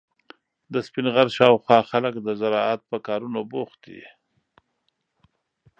د سپین غر شاوخوا خلک د زراعت په کارونو بوخت دي.